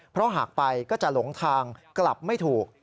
เพราะหากไปก็จะหลงทางกลับไม่ถูก